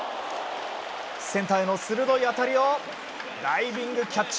センターへの鋭い当たりをダイビングキャッチ！